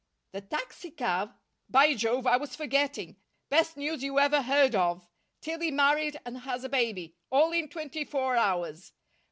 "The taxicab?" "By Jove, I was forgetting! Best news you ever heard of! Tillie married and has a baby all in twenty four hours!